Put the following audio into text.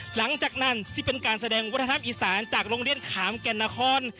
หลังจากนั้นซึ่งเป็นการแสดงวัฒนธรรมอีสานจากโรงเรียนขามแก่นนคร